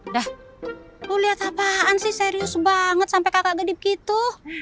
dah gue lihat apaan sih serius banget sampai kakak gedip gitu